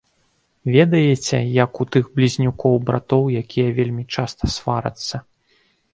Ведаеце, як у тых блізнюкоў-братоў, якія вельмі часта сварацца.